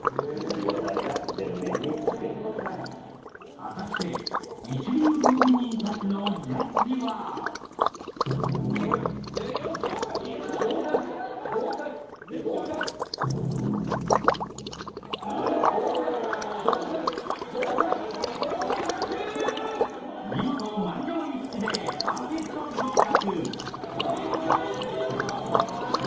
果たして、一流料理人たちのジャッジは見事、満場一致でパーフェクト合格。